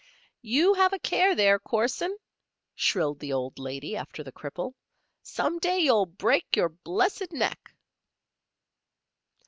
"You have a care there, Corson!" shrilled the old lady after the cripple. "Some day you'll break your blessed neck."